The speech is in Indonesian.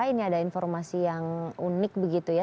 ini ada informasi yang unik begitu ya